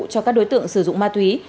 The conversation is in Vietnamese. cho các đối tượng sử dụng ma túy